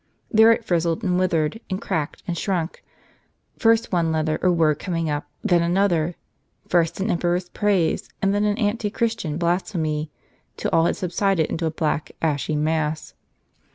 There it frizzled, and writhed, and cracked, and shrunk, tirst one letter or word coming up, then another; tirst an emperor's praise, and then an anti Christian blasphemy; till all had subsided into a black ashy mass.